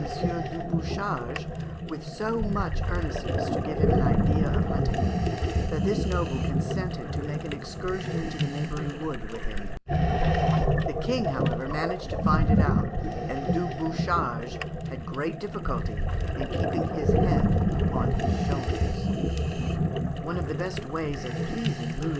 du Bouchage, with so much earnestness to give him an idea of hunting, that this noble consented to make an excursion into the neighbouring wood with him. The King, however, managed to find it out, and Du Bouchage had great difficulty in keeping his head on his shoulders. One of the best ways of pleasing Louis XI.